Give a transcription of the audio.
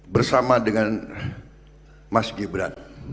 bersama dengan mas gibran